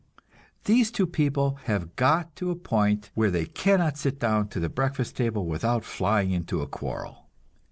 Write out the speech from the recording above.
These two people have got to a point where they cannot sit down to the breakfast table without flying into a quarrel.